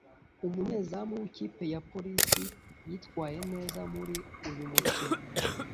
umunyezamu w’ikipe ya polisi yitwaye neza muri uyu mukino